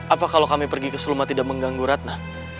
apa kalo kami pergi ke seluma tidak mengganggu ratna